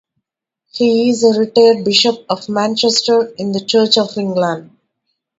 He is a retired Bishop of Manchester in the Church of England.